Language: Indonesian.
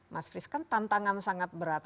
mas fris kan tantangan sangat berat